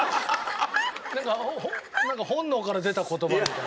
なんかなんか本能から出た言葉みたいな。